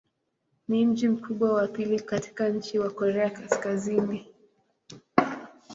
Ni mji mkubwa wa pili katika nchi wa Korea Kaskazini.